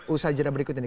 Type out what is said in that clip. usaha jenak berikut ini